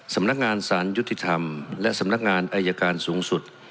สำนักงานสารยุติธรรมและสำนักงานอายการสูงสุด